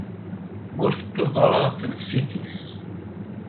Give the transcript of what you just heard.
Ma ur tewwiḍeḍ ara ɣer tnefsit-is.